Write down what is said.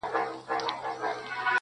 او قاضي ته یې د میني حال بیان کړ٫